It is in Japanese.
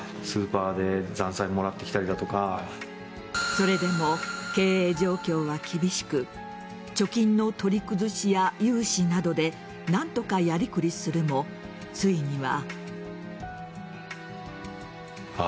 それでも経営状況は厳しく貯金の取り崩しや融資などで何とかやりくりするもついには。